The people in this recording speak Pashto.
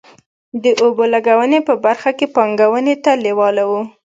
د اوبو لګونې په برخه کې پانګونې ته لېواله وو.